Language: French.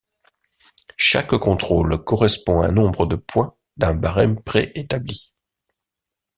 Chaque contrôle correspond à un nombre de points d'un barême préétabli.